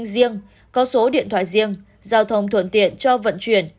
riêng có số điện thoại riêng giao thông thuận tiện cho vận chuyển